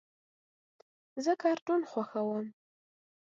زه کارټون خوښوم.